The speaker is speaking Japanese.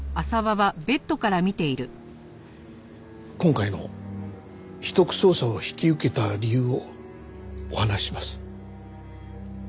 今回の秘匿捜査を引き受けた理由をお話しします。